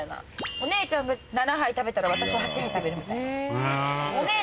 お姉ちゃん７杯食べたら私は８杯食べるみたいな。